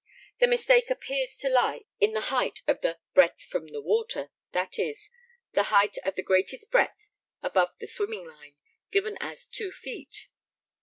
The mistake appears to lie in the height of the 'breadth from the water' (i.e. the height of the greatest breadth above the 'swimming line'), given as 2 feet.